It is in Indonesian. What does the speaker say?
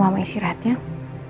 mama sudah senang